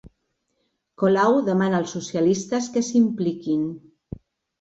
Colau demana als socialistes que s'hi impliquin.